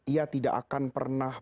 ia tidak akan pernah